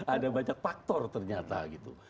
ada banyak faktor ternyata gitu